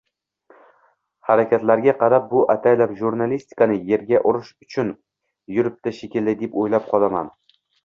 Harakatlariga qarab “bu ataylab jurnalistikani yerga urish uchun yuribdi shekilli” deb oʻylab qolaman.